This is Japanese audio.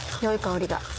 良い香りが。